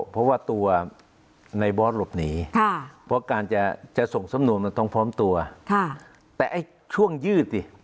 เพราะว่าตัวในบสหรับหนีค่ะเพราะการจะจะส่งสำหนุนมันต้องพร้อมตัวค่ะแต่ช่วงยืด